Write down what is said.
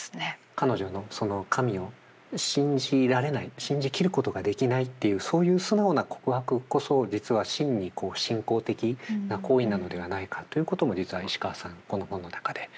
彼女のその神を信じられない信じきることができないっていうそういう素直な告白こそ実は真に信仰的な行為なのではないかということも実は石川さんこの本の中で書いていますね。